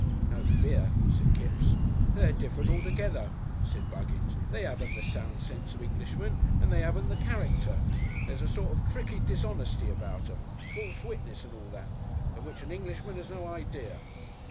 "No fear," said Kipps. "They're different altogether," said Buggins. "They 'aven't the sound sense of Englishmen, and they 'aven't the character. There's a sort of tricky dishonesty about 'em false witness and all that of which an Englishman has no idea.